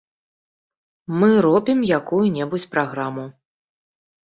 Мы робім якую-небудзь праграму.